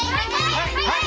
はい！